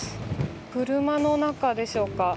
車の中でしょうか。